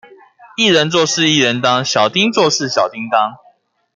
一人做事一人當，小叮做事小叮噹